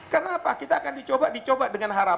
kenapa kita akan dicoba dicoba dengan harapan